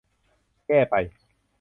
แก้ไป